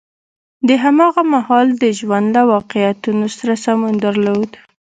د هماغه مهال د ژوند له واقعیتونو سره سمون درلود.